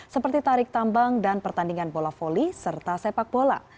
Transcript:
seperti tarik tambang dan pertandingan bola voli serta sepak bola